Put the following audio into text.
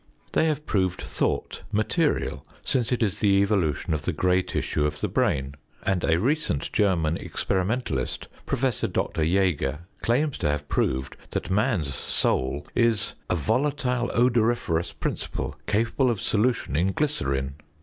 They have proved thought material, since it is the evolution of the gray tissue of the brain, and a recent German experimentalist, Professor Dr. J├żger, claims to have proved that man's soul is "a volatile odoriferous principle, capable of solution in glycerine".